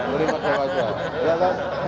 terima kasih banyak banyak